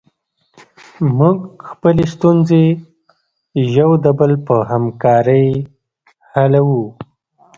موږ خپلې ستونزې یو د بل په همکاري حلوو.